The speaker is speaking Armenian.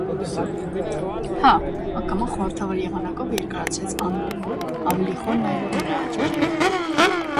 - Հա՜,- ակամա խորհրդավոր եղանակով երկարացրեց Աննան, ավելի խոր նայելով նրա աչքերին: